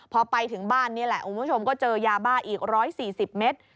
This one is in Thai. พอไปถึงบ้านนี่แหละคุณผู้ชมก็เจอยาบ้าอีก๑๔๐เมตร